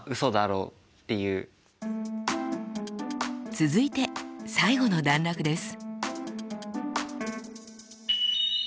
続いて最後の段落です。